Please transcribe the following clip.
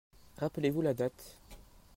Rappelez-vous la date.